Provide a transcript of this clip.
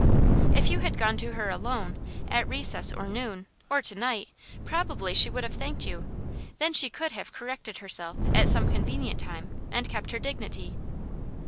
"If you had gone to her alone, at recess or noon, or to night, probably she would have thanked you. Then she could have corrected herself at some convenient time and kept her dignity."